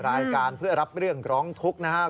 รายการเพื่อรับเรื่องร้องทุกข์นะครับ